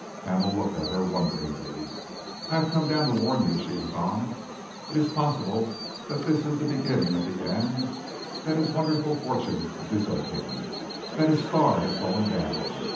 Hamel looked at her wonderingly. "I have come down to warn you," she went on. "It is possible that this is the beginning of the end, that his wonderful fortune will desert him, that his star has gone down.